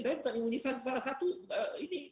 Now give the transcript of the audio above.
tapi bukan salah satu ini